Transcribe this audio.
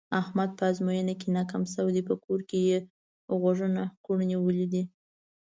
احمد په ازموینه کې ناکام شوی، په کور کې یې غوږونه کوړی نیولي دي.